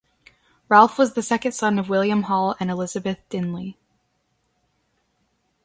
Ralph was the second son of William Hall and Elizabeth Dyneley.